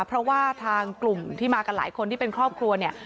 เพราะว่าทางกลุ่มที่มากันหลายคนที่เป็นครอบครัวเนี่ย